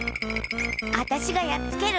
あたしがやっつける。